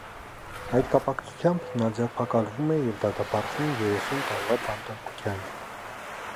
Այդ կապակցությամբ նա ձերբակալվում է և դատապարտվում երեսուն տարվա բանտարկության։